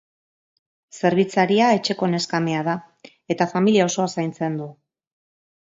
Zerbitzaria, etxeko neskamea da eta familia osoa zaintzen du.